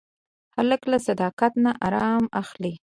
هلک له صداقت نه ارام اخلي.